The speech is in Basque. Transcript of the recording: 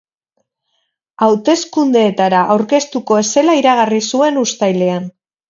Hauteskundeetara aurkeztuko ez zela iragarri zuen uztailean.